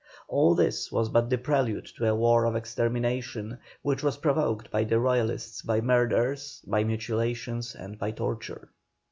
All this was but the prelude to a war of extermination, which was provoked by the Royalists by murders, by mutilations and by torture.